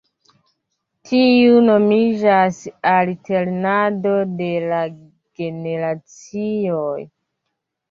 Tiu nomiĝas alternado de la generacioj.